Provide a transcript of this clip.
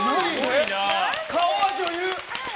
顔は女優！